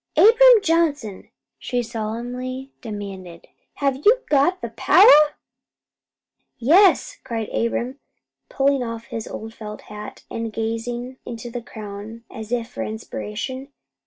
"Abram Johnson," she solemnly demanded, "have you got the power?" "Yes," cried Abram, pulling off his old felt hat, and gazing into the crown as if for inspiration.